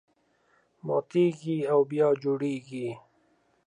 ماتېږي او بیا جوړېږي.